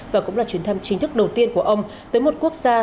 và cũng là chuyến thăm chính thức đầu tiên của ông tới một quốc gia